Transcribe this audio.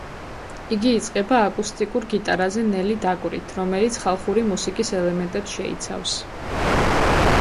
იგი იწყება აკუსტიკურ გიტარაზე ნელი დაკვრით, რომელიც ხალხური მუსიკის ელემენტებს შეიცავს.